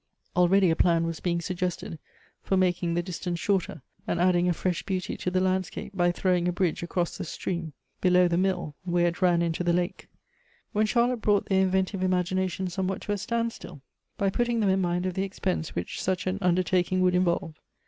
Already a plan was being suggested for making the distance shorter, and adding a fresh beauty to the land scape, by throwing a bridge across the stream, below the mill, where it ran into the lake; when Charlotte brought their inventive imagination somewhat to a stand still, by putting them in mind of the expense which such an undertaking would involve.